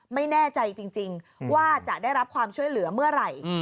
ไม่แน่ใจจริงว่าจะได้รับความช่วยเหลือเมื่อไหร่